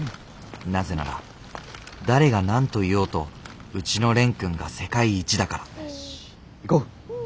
なぜなら誰が何と言おうとうちの蓮くんが世界一だから。